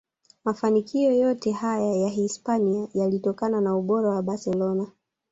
Mafanikio yote haya ya Hispania yalitokana na ubora wa Barcelona